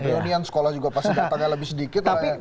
kemudian sekolah juga pasti datangnya lebih sedikit lah ya